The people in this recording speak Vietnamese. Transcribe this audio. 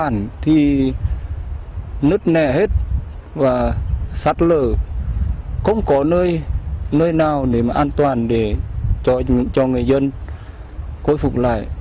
nơi nào để mà an toàn để cho người dân côi phục lại